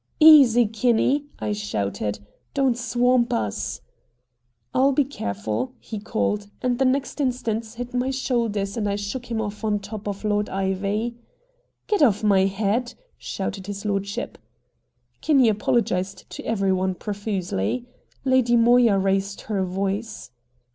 "Easy, Kinney!" I shouted. "Don't swamp us!" "I'll be careful!" he called, and the next instant hit my shoulders and I shook him off on top of Lord Ivy. "Get off my head!" shouted his lordship. Kinney apologized to every one profusely. Lady Moya raised her voice.